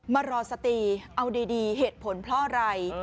มารอสติเอาดีเหตุผลเพราะอะไร